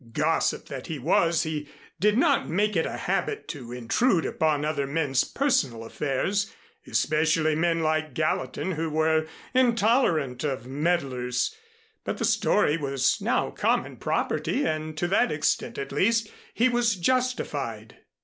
Gossip that he was, he did not make it a habit to intrude upon other men's personal affairs, especially men like Gallatin who were intolerant of meddlers; but the story was now common property and to that extent at least he was justified.